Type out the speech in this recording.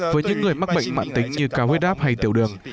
với những người mắc bệnh mạng tính như cao huyết áp hay tiểu đường